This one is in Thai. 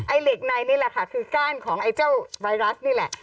เหล็กในนี่แหละค่ะคือก้านของไอ้เจ้าไวรัสนี่แหละ